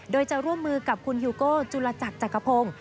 โดยจะร่วมมือกับคุณฮิวโก้จุลจักรจักรพงศ์